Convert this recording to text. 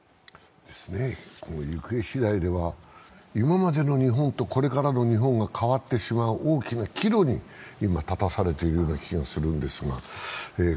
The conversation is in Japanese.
行方しだいでは今までの日本とこれからの日本が変わってしまう大きな岐路に今、立たされているような気がします。